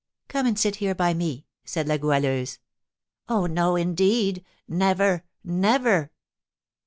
"Come and sit here by me," said La Goualeuse. "Oh, no, indeed; never, never!"